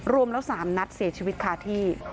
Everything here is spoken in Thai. รวมแล้ว๓นัดเสียชีวิตคาที่